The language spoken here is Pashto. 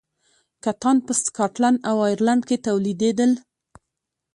کتان په سکاټلند او ایرلنډ کې تولیدېدل.